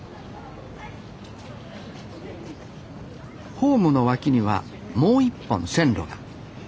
ホームの脇にはもう一本線路が。